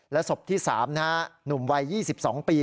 ศพที่๓หนุ่มวัย๒๒ปี